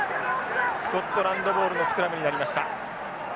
スコットランドボールのスクラムになりました。